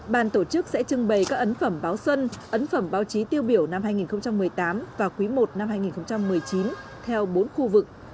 bàn tổ chức sẽ trưng bày các ấn phẩm báo xuân ấn phẩm báo chí tiêu biểu năm hai nghìn một mươi tám và quý i năm hai nghìn một mươi chín theo bốn khu vực